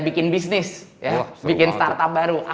bikin bisnis bikin startup baru